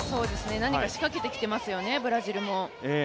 なにか仕掛けてきてますよね、ブラジルも。